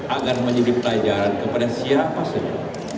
agar menjadi pelajaran kepada siapa saja